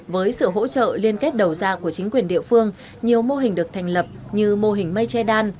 với sự hỗ trợ liên kết đầu ra của chính quyền địa phương nhiều mô hình được thành lập như mô hình mây che đan